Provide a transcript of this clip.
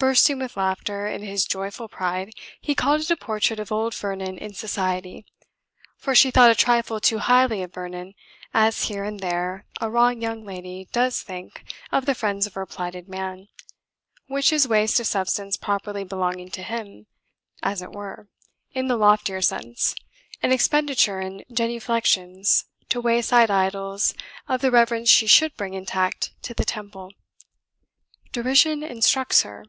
Bursting with laughter in his joyful pride, he called it a portrait of old Vernon in society. For she thought a trifle too highly of Vernon, as here and there a raw young lady does think of the friends of her plighted man, which is waste of substance properly belonging to him, as it were, in the loftier sense, an expenditure in genuflexions to wayside idols of the reverence she should bring intact to the temple. Derision instructs her.